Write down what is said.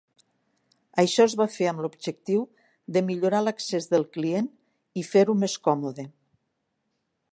Això es va fer amb l'objectiu de millorar l'accés del client i fer-ho més còmode.